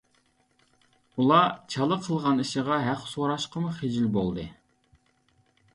ئۇلار چالا قىلغان ئىشىغا ھەق سوراشقىمۇ خىجىل بولدى.